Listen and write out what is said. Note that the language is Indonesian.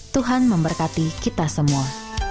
tuhan memberkati kita semua